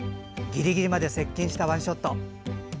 ギリギリまで接近したワンショット。